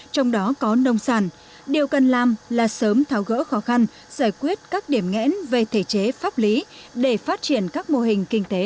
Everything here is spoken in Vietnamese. trong đó có nông sản điều cần làm là sớm tháo gỡ khó khăn giải quyết các điểm nghẽn về thể chế pháp lý để phát triển các mô hình kinh tế